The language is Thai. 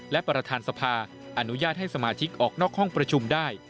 และประธานสภาอนุญาตให้สมาชิกออกนอกห้องประชุมได้